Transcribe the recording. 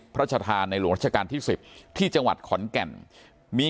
พระชธานในหลวงราชการที่๑๐ที่จังหวัดขอนแก่นมี